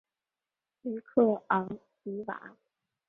吕克昂迪瓦。